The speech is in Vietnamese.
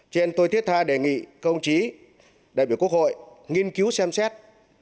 cho nên tôi thiết tha đề nghị công chí đại biểu quốc hội nghiên cứu xem xét